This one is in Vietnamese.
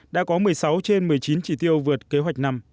đã có một mươi sáu trên một mươi chín chỉ tiêu vượt kế hoạch năm